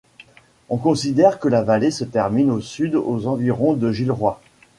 On considère que la vallée se termine au sud aux environs de Gilroy.